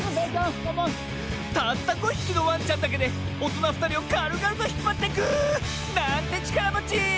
たった５ひきのワンちゃんだけでおとなふたりをかるがるとひっぱってく！なんてちからもち！